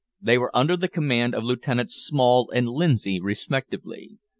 They were under the command of Lieutenants Small and Lindsay respectively.